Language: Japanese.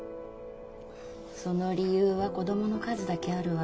その理由は子供の数だけあるわ。